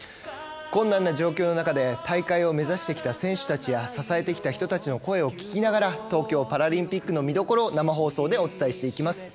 困難な状況の中で大会を目指してきた選手たちや支えてきた人たちの声を聞きながら東京パラリンピックの見どころを生放送でお伝えしていきます。